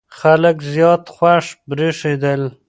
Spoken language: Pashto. خلک زیات خوښ برېښېدل.